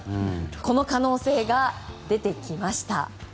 この可能性が出てきました。